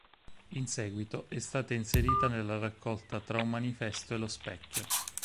In seguito è stata inserita nella raccolta "Tra un manifesto e lo specchio".